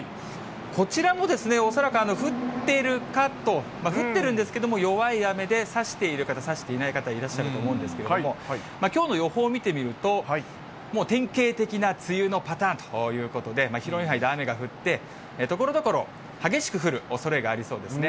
こちらも恐らく降ってるかと、降ってるんですけれども、弱い雨で差している方、差していない方、いらっしゃると思うんですけれども、きょうの予報見てみると、もう典型的な梅雨のパターンということで、広い範囲で雨が降って、ところどころ激しく降るおそれがありそうですね。